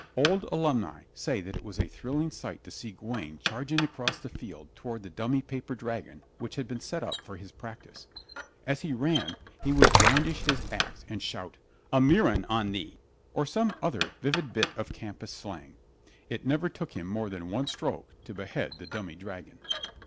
Old alumni say that it was a thrilling sight to see Gawaine charging across the field toward the dummy paper dragon which had been set up for his practice. As he ran he would brandish his ax and shout "A murrain on thee!" or some other vivid bit of campus slang. It never took him more than one stroke to behead the dummy dragon.